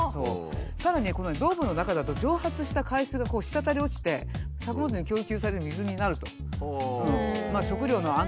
さらにねこのドームの中だと蒸発した海水が滴り落ちて作物に供給される水になると。